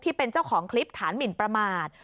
ที่เป็นเจ้าของคลิปฐานหมินประมาท